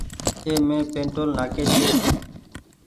اي مين پيٽول نآ ڪي ڇي۔